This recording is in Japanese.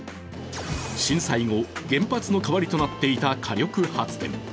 震災後、原発の代わりとなっていた火力発電。